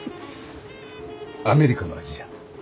アメリカの味じゃ。